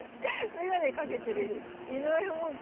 眼鏡かけてる井上門下。